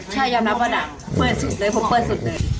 ใช่ยอมรับว่าดักเปิดสุดเลยผมเปิดสุดเลย